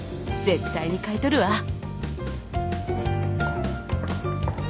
絶対に買い取るわ